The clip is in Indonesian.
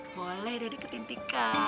boleh udah diketin tika